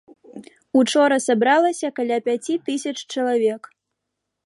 Учора сабралася каля пяці тысяч чалавек.